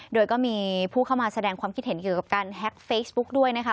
โดยก็มีผู้เข้ามาแสดงความคิดเห็นเกี่ยวกับการแฮ็กเฟซบุ๊กด้วยนะคะ